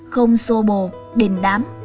không xô bồ đình đám